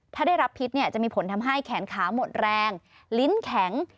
ถ้าได้รับพิษเนี่ยจะมีผลทำให้แขนขาหมดแรงลิ้นแข็ง